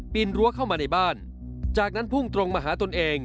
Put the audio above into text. รั้วเข้ามาในบ้านจากนั้นพุ่งตรงมาหาตนเอง